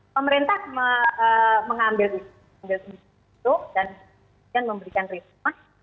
pemerintah mengambil risiko dan memberikan risiko